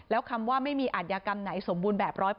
แล้วคำว่าไม่มีอาทยากรรมไหนสมบูรณ์แบบ๑๐๐